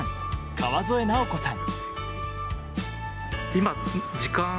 川添尚子さん。